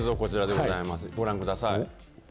ご覧ください。